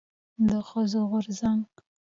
د ښځو د غورځنګ